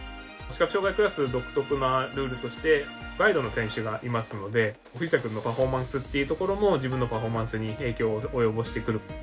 視覚障がいクラス独特なルールとしてガイドの選手がいますので藤田君のパフォーマンスっていうところも自分のパフォーマンスに影響を及ぼしてくる。